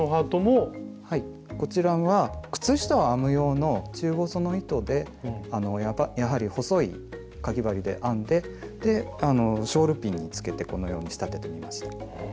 はいこちらは靴下を編む用の中細の糸でやはり細いかぎ針で編んでショールピンにつけてこのように仕立ててみました。